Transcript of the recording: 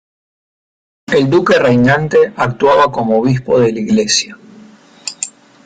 El duque reinante actuaba como obispo de la iglesia.